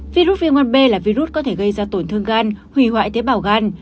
virus viêm gan b là virus có thể gây ra tổn thương gan hủy hoại tế bào gan